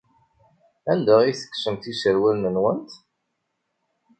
Anda ay tekksemt iserwalen-nwent?